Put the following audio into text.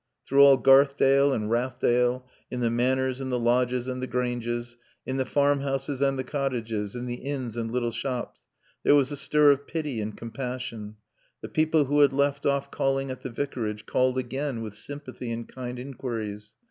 Through all Garthdale and Rathdale, in the Manors and the Lodges and the Granges, in the farmhouses and the cottages, in the inns and little shops, there was a stir of pity and compassion. The people who had left off calling at the Vicarage called again with sympathy and kind inquiries.